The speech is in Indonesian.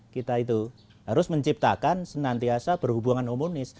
kita itu harus menciptakan senantiasa berhubungan komunis